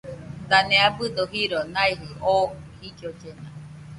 Dane abɨdo jiro naijɨ oo jillollena.